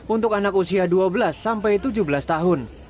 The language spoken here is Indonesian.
untuk anak usia dua belas sampai tujuh belas tahun